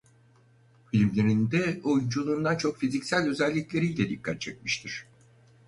Filmlerinde oyunculuğundan çok fiziksel özellikleriyle dikkat çekmiştir.